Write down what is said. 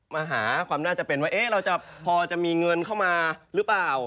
มาหาความน่าจะเป็นว่าเราจะพอจะมีเงินเข้ามาหรือเปล่า